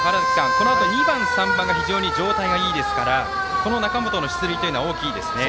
このあと２番、３番が非常に状態がいいですからこの中本の出塁というのは大きいですね。